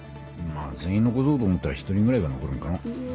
まぁ全員残そうと思ったら１人ぐらいは残るんかのう。